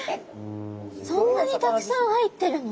そんなにたくさん入ってるの？